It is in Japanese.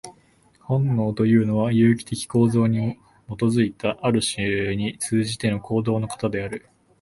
本能というのは、有機的構造に基いた、ある種に通じての行動の型である。